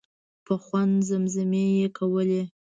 په خوند زمزمې یې کولې.